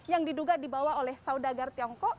yang diduga dibawa oleh saudagar tiongkok